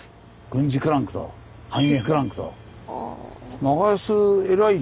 軍事クランクと繁栄クランクと。